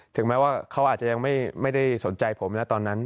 ถึงแม้ว่าเขาอาจจะยังไม่ได้สนใจผมนะตอนนั้น